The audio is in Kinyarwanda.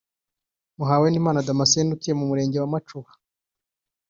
Muhawenimana Damascène utuye mu Murenge wa Macuba